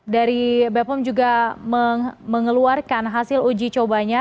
dari bepom juga mengeluarkan hasil uji cobanya